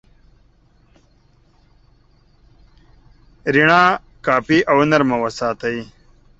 رڼا کافي او نرمه وساتئ.